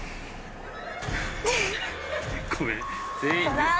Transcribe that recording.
ごめん。